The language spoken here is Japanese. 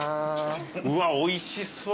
うわっおいしそう。